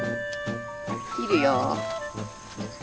切るよ。